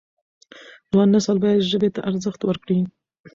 ځوان نسل باید ژبې ته ارزښت ورکړي.